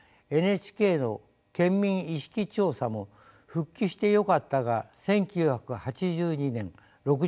ＮＨＫの県民意識調査も「復帰してよかった」が１９８２年６３％